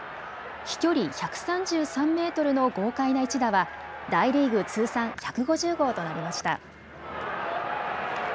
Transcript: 飛距離１３３メートルの豪快な一打は大リーグ通算１５０号となりました。